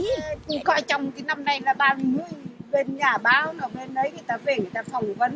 chúng tôi coi trong cái năm này là ba mươi bên nhà báo nào bên đấy người ta về người ta phỏng vấn